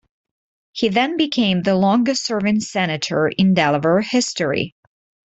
He then became the longest-serving senator in Delaware history.